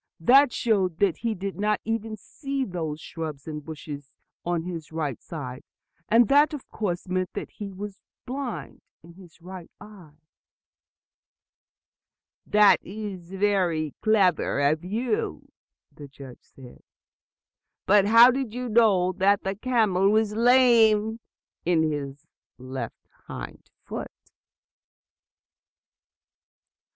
That showed that he did not even see those shrubs and bushes on his right side. And that of course meant that his right eye was blind." "That is very clever of you," the judge said. "But how did you know that the camel was lame in his left hind foot?"